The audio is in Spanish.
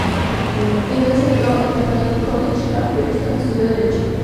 Entonces entró en el Magdalene College, Cambridge, donde estudió Derecho.